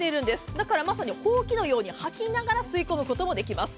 だからまさにほうきのようにはきながら吸い込むこともできます。